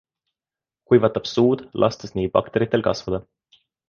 Kuivatab suud, lastes nii bakteritel kasvada.